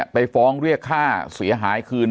ไปฟ้องเรียกค่าเสียหายคืน